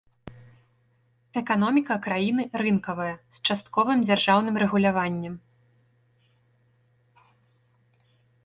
Эканоміка краіны рынкавая, з частковым дзяржаўным рэгуляваннем.